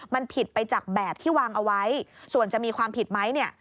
มันผิดไปจากแบบที่วางเอาไว้ส่วนจะมีความผิดไหมเนี่ย